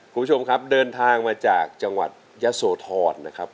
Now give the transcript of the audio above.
คุณผู้ชมครับเดินทางมาจากจังหวัดยะโสธรนะครับ